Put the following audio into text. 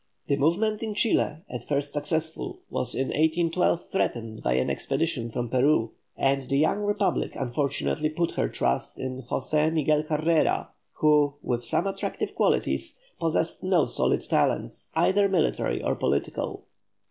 The movement in Chile, at first successful, was in 1812 threatened by an expedition from Peru, and the young Republic unfortunately put her trust in José Miguel Carrera, who, with some attractive qualities, possessed no solid talents, either military or political.